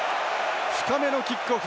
深めのキックオフ。